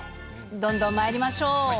どんどんまいりましょう。